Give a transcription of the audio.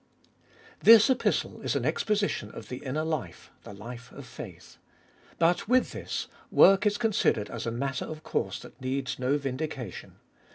2. This Epistle is an exposition of the inner life, the life of faith. But with this, work is considered as a matter of course that needs no vindication.